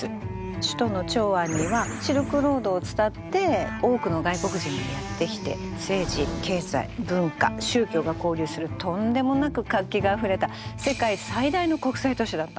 首都の長安にはシルクロードを伝って多くの外国人がやって来て政治経済文化宗教が交流するとんでもなく活気があふれた世界最大の国際都市だったの。